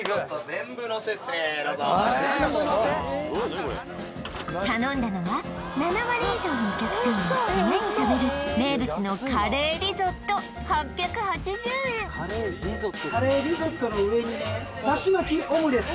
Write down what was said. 全部のせっすねどうぞ頼んだのは７割以上のお客さんが締めに食べる名物のカレーリゾット８８０円カレーリゾットの上にねだし巻きオムレツ